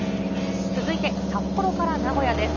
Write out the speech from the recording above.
続いて、札幌から名古屋です。